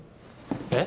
えっ？